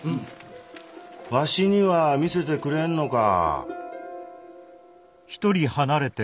わしには見せてくれぬのか？